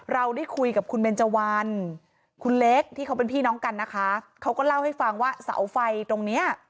เราได้คุยกับคุณเบนเจวันคุณเล็กที่เขาเป็นพี่น้องกันนะคะเขาก็เล่าให้ฟังว่าเสาไฟตรงเนี้ย